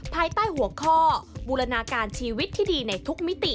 ภายใต้หัวข้อบูรณาการชีวิตที่ดีในทุกมิติ